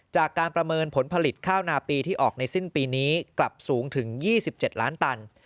จากการประเมินผลผลิตข้าวนาปีที่ออกในสิ้นปีนี้กลับสูงถึง๒๗ล้านตัน